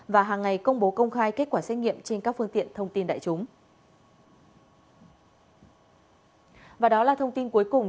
và hàng ngày công bố công khai kết quả xét nghiệm trên các phương tiện thông tin đại chúng